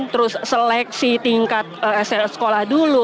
terus seleksi tingkat sekolah dulu